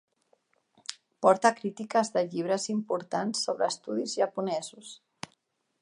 Porta crítiques de llibres importants sobre estudis japonesos.